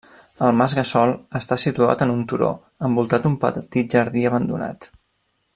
El Mas Gassol està situat en un turó, envoltat d'un petit jardí abandonat.